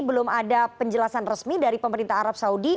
belum ada penjelasan resmi dari pemerintah arab saudi